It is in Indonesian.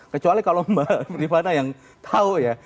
kecuali kalau mbak rifana yang tahu ya